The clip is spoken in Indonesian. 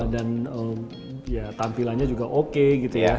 dan tampilannya juga oke gitu ya